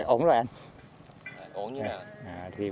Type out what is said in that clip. ổn như thế nào